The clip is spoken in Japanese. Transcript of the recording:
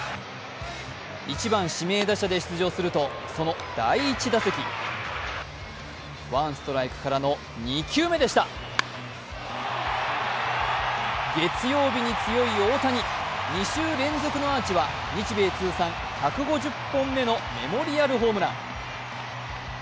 １番・指名打者で出場すると、その第１打席ワンストライクからの２球目でした月曜日に強い大谷２週連続のアーチは日米通算１５０本目のメモリアルホームラン。